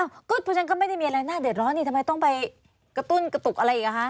องค์กลุ่นพวกฉันก็ไม่ได้มีอะไรหน้าเดตร้อนนี่ทำไมต้องไปกะตุ้นกกะตุกอะไรอีก